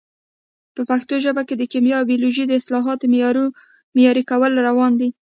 په پښتو ژبه کې د کیمیا او بیولوژي د اصطلاحاتو معیاري کول روان دي.